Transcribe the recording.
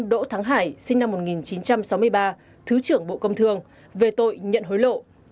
đỗ thắng hải sinh năm một nghìn chín trăm sáu mươi ba thứ trưởng bộ công thương về tội nhận hối lộ